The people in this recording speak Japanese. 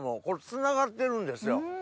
これつながってるんですよ。